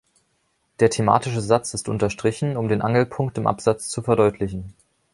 Der thematische Satz ist unterstrichen, um den Angelpunkt im Absatz zu verdeutlichen.